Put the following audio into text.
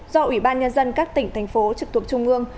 do ủy ban nhân dân các tỉnh thành phố trực thuộc trung ương